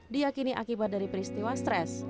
diakini akibat dari peristiwa stres